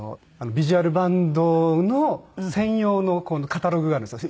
ビジュアルバンドの専用のカタログがあるんですよ